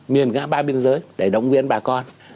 miền ngã ba biên giới để động viên bà con